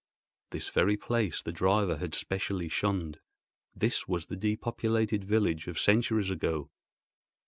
This very place the driver had specially shunned. This was the depopulated village of centuries ago.